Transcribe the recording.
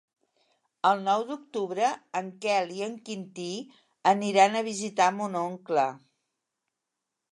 El nou d'octubre en Quel i en Quintí aniran a visitar mon oncle.